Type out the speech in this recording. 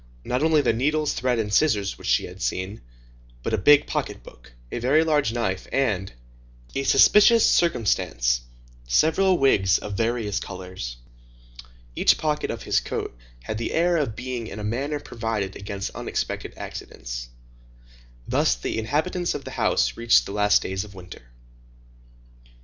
Not only the needles, thread, and scissors which she had seen, but a big pocket book, a very large knife, and—a suspicious circumstance—several wigs of various colors. Each pocket of this coat had the air of being in a manner provided against unexpected accidents. Thus the inhabitants of the house reached the last days of winter.